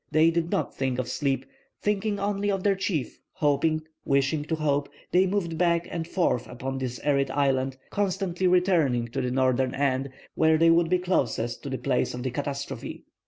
They did not think of sleep. Thinking only of their chief, hoping, wishing to hope, they moved back and forth upon that arid island, constantly returning to the northern end, where they would be closest to the place of the catastrophe.